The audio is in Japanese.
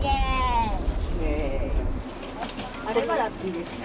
あればラッキーですね。